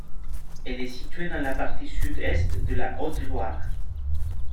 Elle est située dans la partie sud-est de la Haute-Loire.